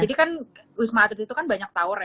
jadi kan usma atut itu kan banyak tower ya